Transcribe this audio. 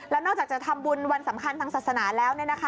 แล้วนอกจากจะทำบุญวันสำคัญทางศาสนาแล้ว